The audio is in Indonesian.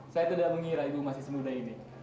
saya tidak mengira ibu masih semudah ini